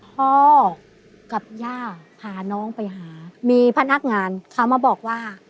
พ่อกับย่าพาน้องไปหามีพนักงานเขามาบอกว่า